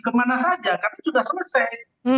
kemana saja karena sudah selesai